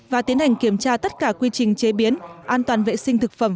và tiến hành kiểm tra tất cả quy trình chế biến an toàn vệ sinh thực phẩm